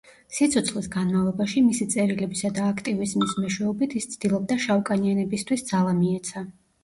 სიცოცხლის განმავლობაში, მისი წერილებისა და აქტივიზმის მეშვეობით ის ცდილობდა შავკანიანებისთვის ძალა მიეცა.